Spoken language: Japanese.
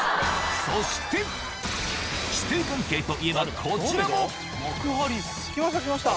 そして、師弟関係といえばこ来ました、来ました。